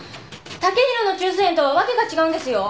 剛洋の虫垂炎とは訳が違うんですよ。